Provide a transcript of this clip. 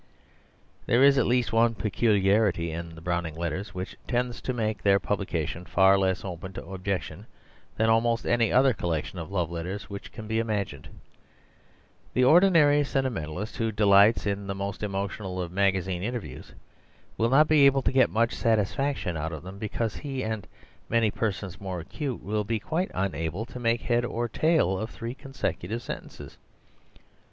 There is at least one peculiarity in the Browning Letters which tends to make their publication far less open to objection than almost any other collection of love letters which can be imagined. The ordinary sentimentalist who delights in the most emotional of magazine interviews, will not be able to get much satisfaction out of them, because he and many persons more acute will be quite unable to make head or tail of three consecutive sentences.